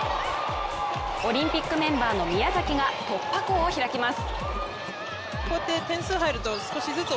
オリンピックメンバーの宮崎が突破口を開きます。